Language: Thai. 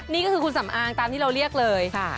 นี่ก็คือคุณสำอางตามที่เราเรียกเลย